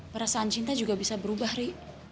perasaan cinta juga bisa berubah ri